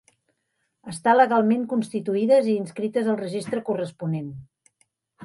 Estar legalment constituïdes i inscrites al registre corresponent.